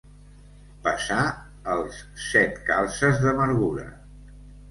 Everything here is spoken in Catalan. Passar els set calzes d'amargura.